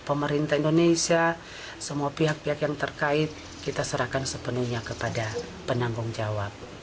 pemerintah indonesia semua pihak pihak yang terkait kita serahkan sepenuhnya kepada penanggung jawab